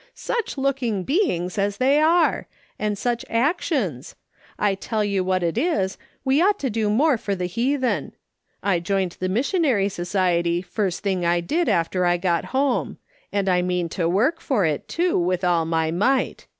Such looking beings as they are ! And such actions ! I tell you what it is, we ought to do more for the heathen. I joined the Missionary Society first thing I did after I got home ; and I mean to work for it, too, with all my might.